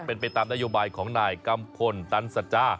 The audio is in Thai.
เป็นไปตามนโยบายของนายกัมพลตันสัจจา